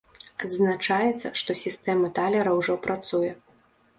Адзначаецца, што сістэма талера ўжо працуе.